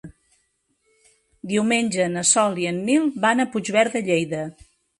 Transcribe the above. Diumenge na Sol i en Nil van a Puigverd de Lleida.